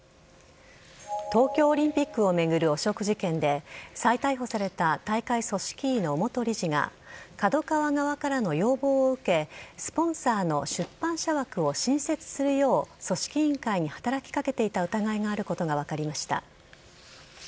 東京オリンピックを巡る汚職事件で再逮捕された大会組織委の元理事がＫＡＤＯＫＡＷＡ側からの要望を受けスポンサーの出版社枠を新設するよう組織委員会に働きかけていた疑いがあることが分かりました。